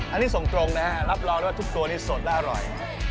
อันนี้ส่งตรงนะฮะรับรองได้ว่าทุกตัวนี้สดและอร่อย